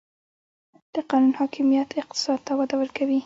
د قانون حاکمیت اقتصاد ته وده ورکوي؟